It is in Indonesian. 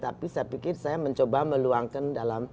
tapi saya pikir saya mencoba meluangkan dalam